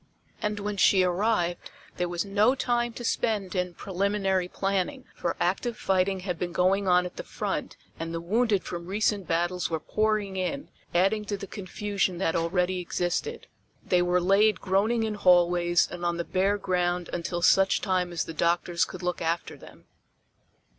And when she arrived there was no time to spend in preliminary planning, for active fighting had been going on at the front and the wounded from recent battles were pouring in, adding to the confusion that already existed. They were laid groaning in hallways and on the bare ground until such time as the doctors could look after them.